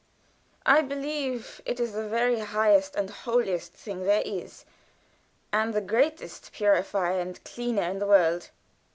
"I believe it is the very highest and holiest thing there is, and the grandest purifier and cleanser in the world.